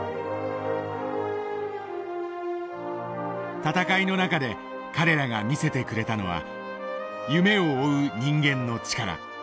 闘いの中で彼らが見せてくれたのは夢を追う人間の力。